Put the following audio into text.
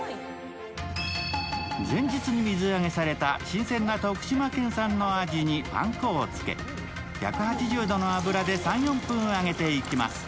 前日に水揚げされた新鮮な徳島県産のアジにパン粉をつけ、１８０度の油で３４分揚げていきます。